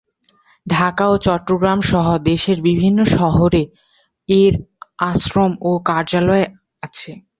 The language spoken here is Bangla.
ঢাকা ও চট্টগ্রামসহ দেশের বিভিন্ন শহরে এর আশ্রম ও কার্যালয় আছে।